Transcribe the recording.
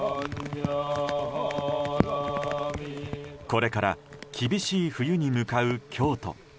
これから厳しい冬に向かう京都。